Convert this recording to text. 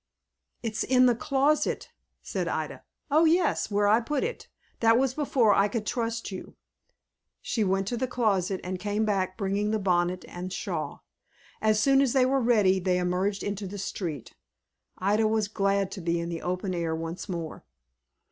"It's in the closet," said Ida. "O yes, where I put it. That was before I could trust you." She went to the closet, and came back bringing the bonnet and shawl. As soon as they were ready, they emerged into the street. Ida was glad to be in the open air once more.